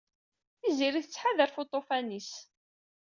Tiziri tettḥadar ɣef uṭufan-is.